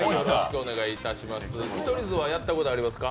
見取り図はやったことありますか？